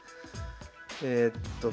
えっと９。